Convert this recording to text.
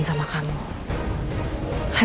itu dua pasang pasku